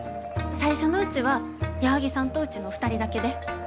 最初のうちは矢作さんとうちの２人だけで。